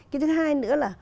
cái thứ hai nữa là